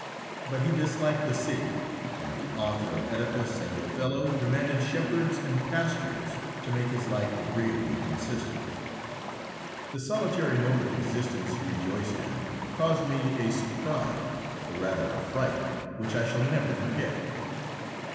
But he disliked the city, and the author of "Oedipus" and "Othello" demanded shepherds and pastures to make his life agreeably consistent. The solitary mode of existence he rejoiced in caused me a surprise, or rather a fright, which I shall never forget.